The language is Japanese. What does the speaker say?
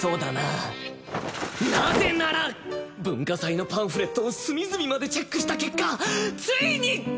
なぜなら文化祭のパンフレットを隅々までチェックした結果ついに！